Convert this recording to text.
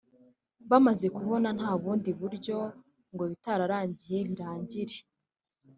Bamaze kubona nta bundi buryo ngo ibitararangiye birangire